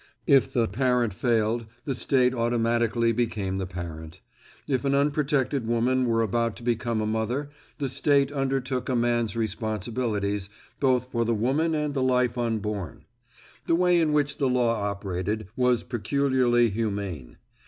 If the parent failed, the State automatically became the parent. If an unprotected woman were about to become a mother, the State undertook a man's responsibilities, both for the woman and the life unborn. The way in which the law operated was peculiarly humane.